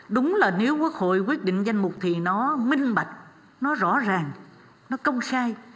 đúng là nếu quốc hội quyết định danh mục thì nó minh bạch nó rõ ràng nó công khai